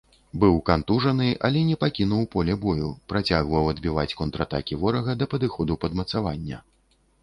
Быў кантужаны, але не пакінуў поле бою, працягваў адбіваць контратакі ворага да падыходу падмацавання.